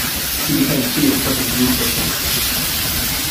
He became feared for his ruthlessness.